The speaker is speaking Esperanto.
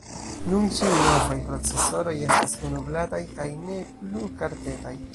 Nun ĉiuj novaj procesoroj estas unu-blataj kaj ne plu kartetaj.